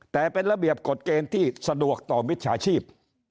แต่เป็นระเบียบกฎเกณฑ์ที่สะดวกต่อมิจฉาชีพ